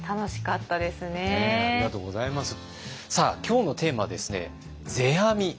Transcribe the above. さあ今日のテーマはですね「世阿弥」。